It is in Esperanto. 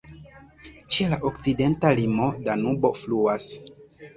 Ĉe la okcidenta limo Danubo fluas.